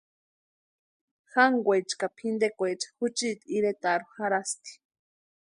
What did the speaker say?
Jankwaecha ka pʼintekwaecha juchiti iretarhu jarhasti.